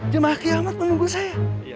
jemaah kiamat menunggu saya